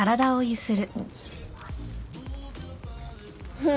うん！